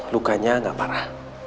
lukanya gak parah